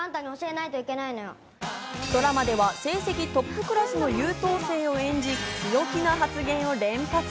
ドラマでは成績トップクラスの優等生を演じ、強気な発言を連発。